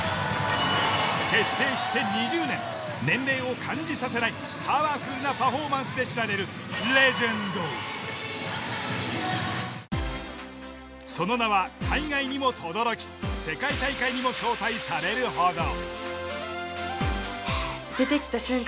年齢を感じさせないパワフルなパフォーマンスで知られるその名は海外にもとどろき世界大会にも招待されるほど。